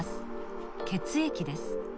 血液です。